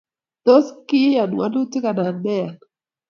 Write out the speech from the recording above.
Tos, keyan walutik anan meyan?